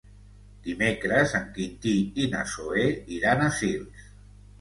Dimecres en Quintí i na Zoè iran a Sils.